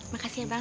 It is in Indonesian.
makasih ya bang